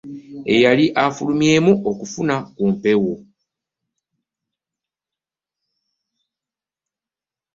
Yali afulumyemu kufuna ku mpewo.